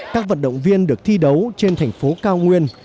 các vận động viên được thi đấu trên thành phố cao nguyên